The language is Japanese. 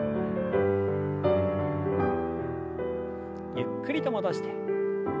ゆっくりと戻して。